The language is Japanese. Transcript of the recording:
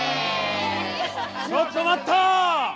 ちょっと待った！